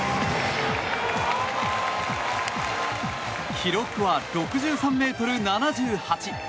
記録は６３ｍ７８。